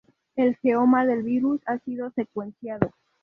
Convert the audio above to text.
El genoma del virus ha sido secuenciado.